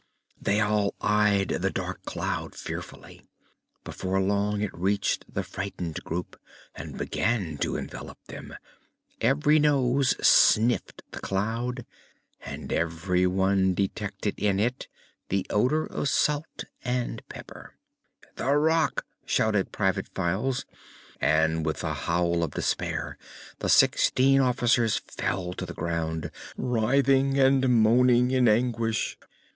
They all eyed the dark cloud fearfully. Before long it reached the frightened group and began to envelop them. Every nose sniffed the cloud and every one detected in it the odor of salt and pepper. "The Rak!" shouted Private Files, and with a howl of despair the sixteen officers fell to the ground, writhing and moaning in anguish.